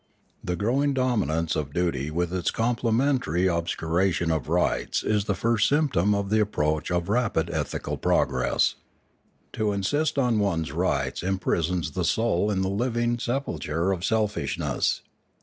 The growing dominance of duty with its complementary obscuration of rights is the first symptom of the approach of rapid ethical progress. To 620 Limanora insist on one's rights imprisons the soul in the living sepulture of selfishness.